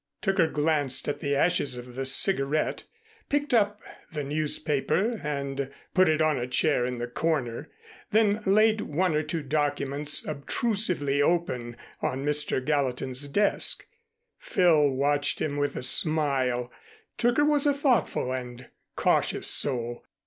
Tooker glanced at the ashes of the cigarette, picked up the newspaper and put it on a chair in the corner, then laid one or two documents obtrusively open, on Mr. Gallatin's desk. Phil watched him with a smile. Tooker was a thoughtful and cautious soul.